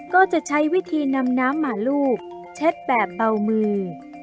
ก็จะใช้วิธีนำน้ำมาลูบเช็ดแบบเบามือ